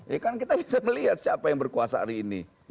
ya kan kita bisa melihat siapa yang berkuasa hari ini